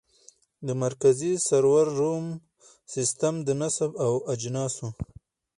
د مرکزي سرور روم سیسټم د نصب او اجناسو